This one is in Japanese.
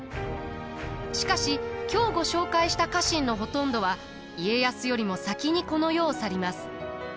しかし今日ご紹介した家臣のほとんどは家康よりも先にこの世を去ります。